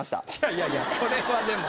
いやいやこれはでも。